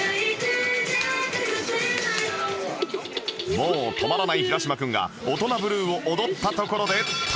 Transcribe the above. もう止まらない平島君が『オトナブルー』を踊ったところでタイムアップ